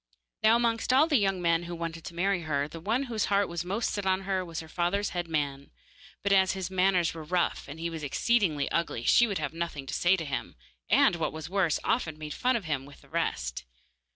Now amongst all the young men who wanted to marry Barbaik, the one whose heart was most set on her was her father's head man, but as his manners were rough and he was exceedingly ugly she would have nothing to say to him, and, what was worse, often made fun of him with the rest.